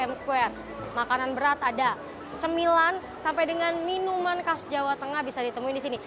m square makanan berat ada cemilan sampai dengan minuman khas jawa tengah bisa ditemui di sini